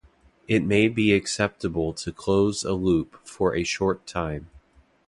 It may be acceptable to close a loop for a short time.